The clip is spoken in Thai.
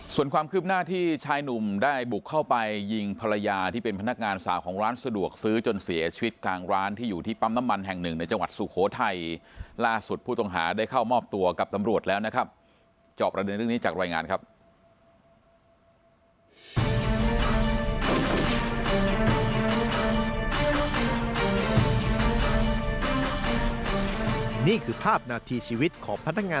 ส่วนความคืบหน้าที่ชายหนุ่มได้บุกเข้าไปยิงภรรยาที่เป็นพนักงานสาวของ